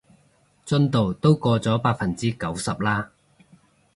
進度都過咗百分之九十啦